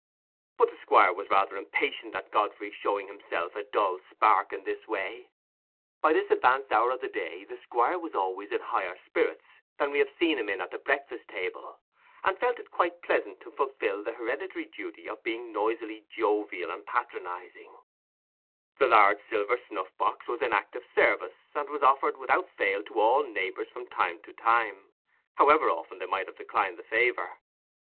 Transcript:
But the Squire was rather impatient at Godfrey's showing himself a dull spark in this way. By this advanced hour of the day, the Squire was always in higher spirits than we have seen him in at the breakfast table, and felt it quite pleasant to fulfil the hereditary duty of being noisily jovial and patronizing: the large silver snuff box was in active service and was offered without fail to all neighbours from time to time, however often they might have declined the favour.